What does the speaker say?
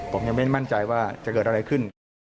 ผมยังไม่มั่นใจว่าจะเกิดอะไรขึ้น